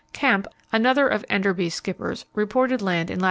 Kemp, another of Enderby's skippers, reported land in lat.